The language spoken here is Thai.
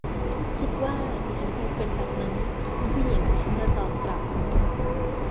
คิดว่าฉันคงเป็นแบบนั้น คุณผู้หญิง เธอตอบกลับ